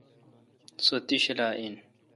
سو تی شلا این۔